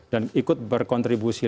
dan ikut berkontribusi